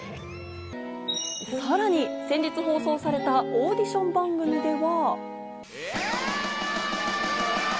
さらに先日放送されたオーディション番組では。